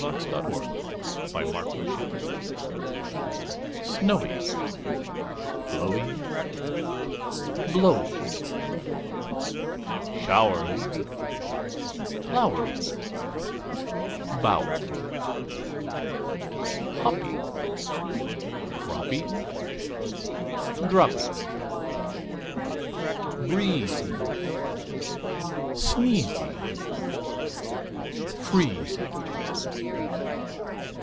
W X . Y Z The Twelve Months SNOWY, Flowy, Blowy, Showery, Flowery, Bowery, Hoppy, Croppy, Droppy, Breezy, Sneezy, Freezy.